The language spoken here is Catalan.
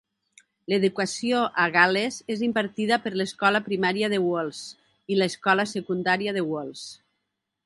L'educació a Gal·les és impartida per l'escola primària de Wales i l'escola secundària de Wales.